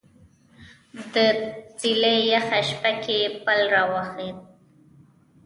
د څیلې یخه شپه کې پل راواخله